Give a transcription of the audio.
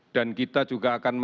dan kita juga akan meyakini bahwa